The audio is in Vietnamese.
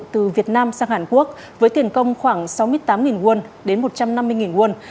từ việt nam sang hàn quốc với tiền công khoảng sáu mươi tám won đến một trăm năm mươi won